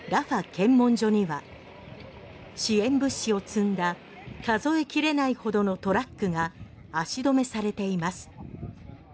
検問所には支援物資を積んだ数え切れないほどのトラックが足止めされています。